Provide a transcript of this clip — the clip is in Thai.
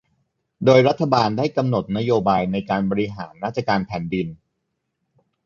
โดยรัฐบาลได้กำหนดนโยบายในการบริหารราชการแผ่นดิน